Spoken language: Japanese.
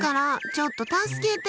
ちょっと助けて！